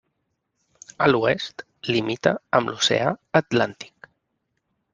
A l'oest limita amb l'Oceà Atlàntic.